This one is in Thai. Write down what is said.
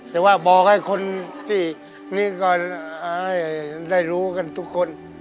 แต่ว่าบอกให้คนที่นี่ก็ได้รู้กันทุกคน